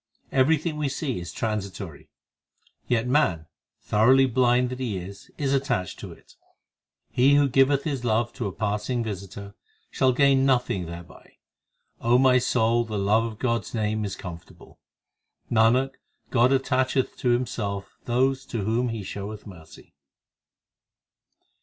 Everything we see is transitory ; Yet man, thoroughly blind that he is, is attached to it. He who giveth his love to a passing visitor, Shall gain nothing thereby. my soul, the love of God s name is comfortable. Nanak, God attacheth to Himself those to whom He showeth mercy.